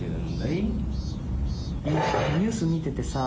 いやニュース見ててさ。